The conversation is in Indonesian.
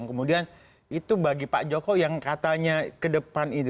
kemudian itu bagi pak jokowi yang katanya kedepan ide ide kedua